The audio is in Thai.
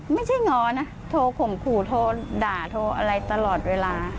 ง้อนะโทรข่มขู่โทรด่าโทรอะไรตลอดเวลา